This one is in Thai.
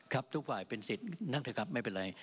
ทุกฝ่ายเป็นสิทธิ์นั่งเถอะครับไม่เป็นไร